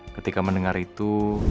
ketika mendengar itu